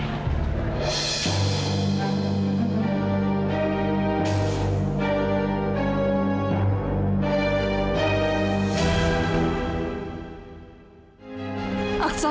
jadi kau dengan sepi saya